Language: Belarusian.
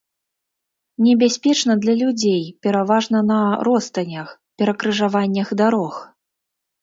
Небяспечна для людзей, пераважна на ростанях, перакрыжаваннях дарог.